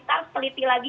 terus peliti lagi